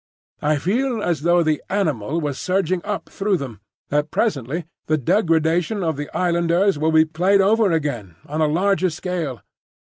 I feel as though the animal was surging up through them; that presently the degradation of the Islanders will be played over again on a larger scale.